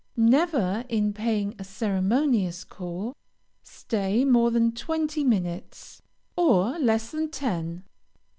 Never, in paying a ceremonious call, stay more than twenty minutes, or less than ten.